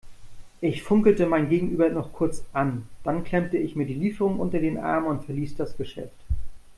Ich funkelte mein Gegenüber noch kurz an, dann klemmte ich mir die Lieferung unter den Arm und verließ das Geschäft.